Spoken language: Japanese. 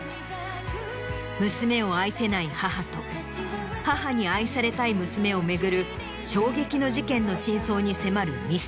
娘を愛せない母と母に愛されたい娘を巡る衝撃の事件の真相に迫るミステリー。